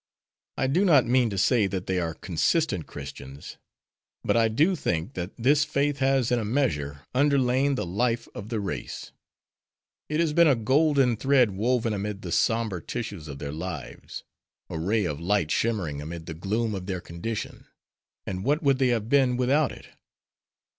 I do not mean to say that they are consistent Christians, but I do think that this faith has in a measure underlain the life of the race. It has been a golden thread woven amid the sombre tissues of their lives. A ray of light shimmering amid the gloom of their condition. And what would they have been without it?"